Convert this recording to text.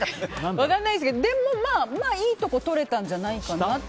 分からないですけどいいとことれたんじゃないかと。